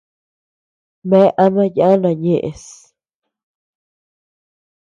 Bea ama yana ñeʼes.